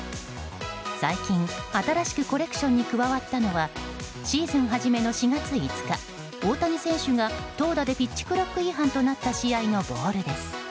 最近、新しくコレクションに加わったのはシーズン初めの４月５日大谷選手が投打でピッチクロック違反となった試合のボールです。